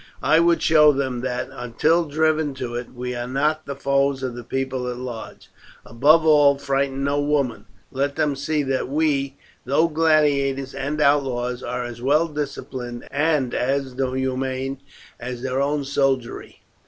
I would show them that, until driven to it, we are not the foes of the people at large. Above all frighten no woman; let them see that we, though gladiators and outlaws, are as well disciplined and as humane as their own soldiery."